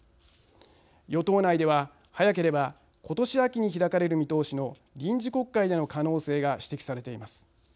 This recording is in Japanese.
与党内では、早ければ今年秋に開かれる見通しの臨時国会での可能性が指摘されています。